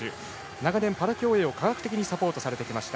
長年パラ競泳を科学的にサポートされてきました。